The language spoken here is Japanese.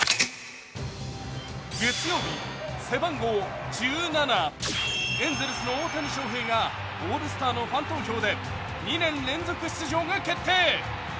月曜日、背番号１７、エンゼルスの大谷翔平がオールスターのファン投票で２年連続出場が決定。